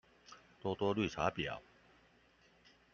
多多綠茶婊